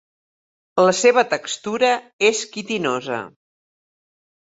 La seva textura és quitinosa.